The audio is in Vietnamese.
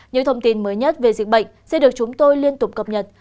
những thông tin mới nhất về dịch bệnh sẽ được chúng tôi liên tục cập nhật